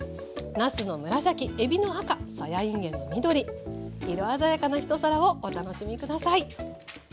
なすの紫えびの赤さやいんげんの緑色鮮やかな一皿をお楽しみ下さい。